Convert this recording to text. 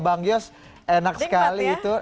bang yos enak sekali itu